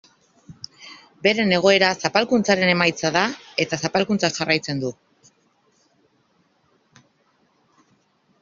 Beren egoera zapalkuntzaren emaitza da eta zapalkuntzak jarraitzen du.